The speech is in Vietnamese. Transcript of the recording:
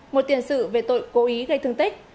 một tiền sự về tội cố ý gây thương tích